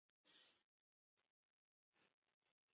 邻苯二甲酸二甲酯可用作蚊子和苍蝇的驱虫剂。